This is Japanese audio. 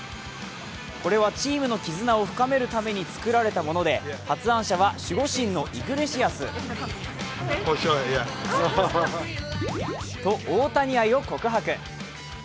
これはチームの絆を深めるために作られたもので発案者は守護神のイグレシアス。と大谷愛を告白。